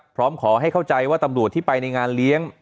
พร้อมขอให้เข้าใจว่าตำรวจที่ไปในงานเลี้ยง